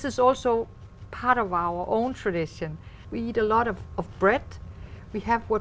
tại sao ông muốn tập trung vào khu vực này